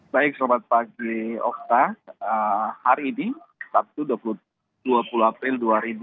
baik selamat pagi okta hari ini sabtu dua puluh april dua ribu dua puluh